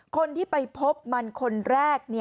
คนที่ไปพบมันคนแรก